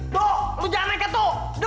dodo lu jangan kata dodo